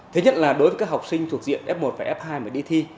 thứ nhất là đối với các học sinh thuộc diện f một và f hai mà đi thi